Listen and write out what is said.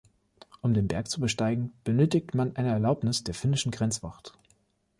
Um den Berg zu besteigen, benötigt man eine Erlaubnis der finnischen Grenzwacht.